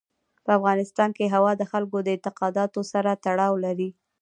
په افغانستان کې هوا د خلکو د اعتقاداتو سره تړاو لري.